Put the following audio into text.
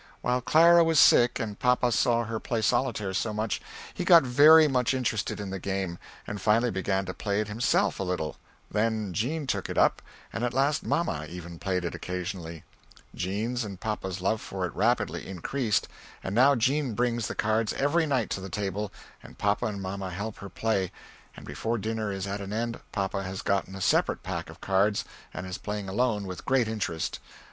While Clara was sick and papa saw her play solotaire so much, he got very much interested in the game, and finally began to play it himself a little, then Jean took it up, and at last mamma, even played it ocasionally; Jean's and papa's love for it rapidly increased, and now Jean brings the cards every night to the table and papa and mamma help her play, and before dinner is at an end, papa has gotten a separate pack of cards, and is playing alone, with great interest.